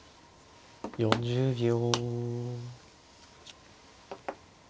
４０秒。